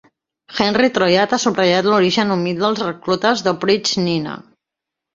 Henri Troyat ha subratllat l'origen humil dels reclutes d'oprichnina.